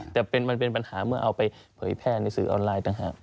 แต่มันเป็นปัญหาเมื่อเอาไปเผยแพร่ในสื่อออนไลน์ต่างหาก